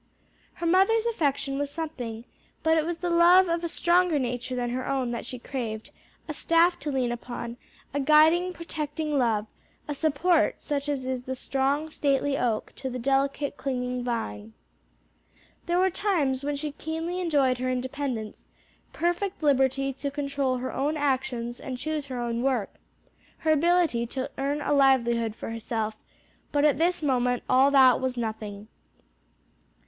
Her mother's affection was something, but it was the love of a stronger nature than her own that she craved, a staff to lean upon, a guiding, protecting love, a support such as is the strong, stately oak to the delicate, clinging vine. There were times when she keenly enjoyed her independence, perfect liberty to control her own actions and choose her own work; her ability to earn a livelihood for herself; but at this moment all that was as nothing.